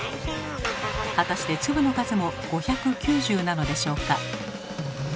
果たして粒の数も５９０なのでしょうか。